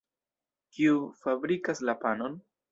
Kiu fabrikas la panon?